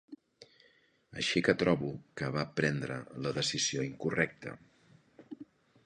Així que trobo que va prendre la decisió incorrecta.